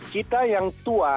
kita yang tua